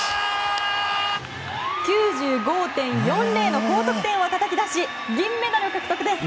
９５．４０の高得点をたたき出し銀メダル獲得です！